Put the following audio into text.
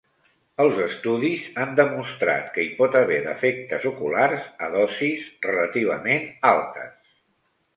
Els estudis han demostrat que hi pot haver defectes oculars a dosis relativament altes.